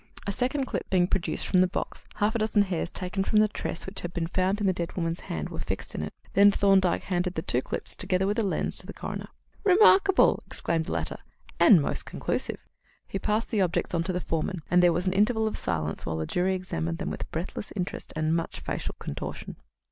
A second clip being produced from the box, half a dozen hairs taken from the tress which had been found in the dead woman's hand were fixed in it. Then Thorndyke handed the two clips, together with a lens, to the coroner. "Remarkable!" exclaimed the latter, "and most conclusive." He passed the objects on to the foreman, and there was an interval of silence while the jury examined them with breathless interest and much facial contortion.